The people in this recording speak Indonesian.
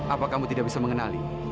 apa kamu tidak bisa mengenali